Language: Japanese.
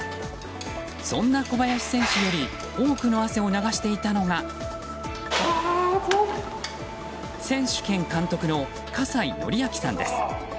そんな小林選手より多くの汗を流していたのが選手兼監督の葛西紀明さんです。